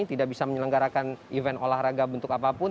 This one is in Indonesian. tidak bisa menyelenggarakan event olahraga bentuk apapun